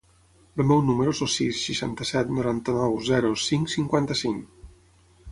El meu número es el sis, seixanta-set, noranta-nou, zero, cinc, cinquanta-cinc.